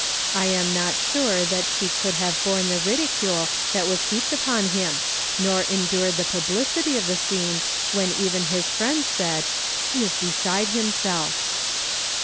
I am not sure that she could have borne the ridicule that was heaped upon him, nor endured the publicity of the scene when even his friends said, '■ He is beside him self."